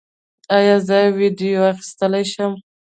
ایا زه ویډیو اخیستلی شم؟